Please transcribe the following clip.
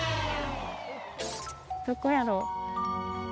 どこやろう？